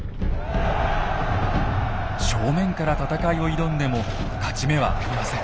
正面から戦いを挑んでも勝ち目はありません。